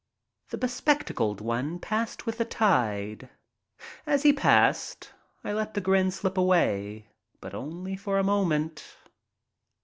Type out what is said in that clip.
The bespectacled one passed with the tide. As he passed I let the grin slip away, but only for a moment.